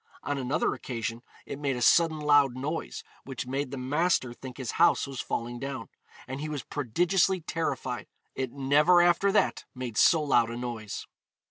On another occasion, it made a sudden loud noise, which made the master think his house was falling down, and he was prodigiously terrified; it never after that made so loud a noise.